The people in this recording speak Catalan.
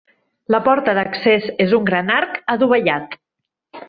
La porta d'accés és un gran arc adovellat.